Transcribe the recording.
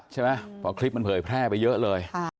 ใช่ไหมเพราะคลิปมันเผยแพร่ไปเยอะเลย